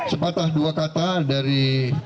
sepatah dua kata dari